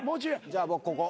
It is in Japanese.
じゃあ僕ここ。